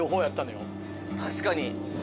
確かに。